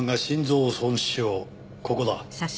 ここだ。